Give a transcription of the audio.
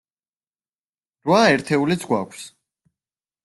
რვა ერთეულიც გვაქვს.